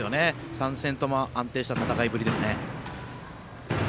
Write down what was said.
３戦とも安定した戦いぶりですね。